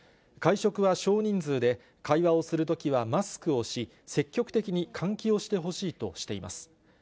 会食は少人数で、会話をするときはマスクをし、積極的に換気をしてほしいとしています。